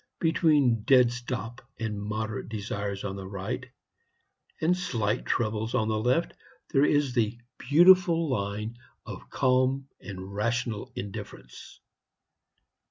Between Dead Stop and Moderate Desires on the right, and Slight Troubles on the left, there is the beautiful line of Calm and Rational Indifference.